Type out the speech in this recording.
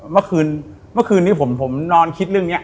เมื่อคืนนี้ผมนอนคิดเรื่องนี้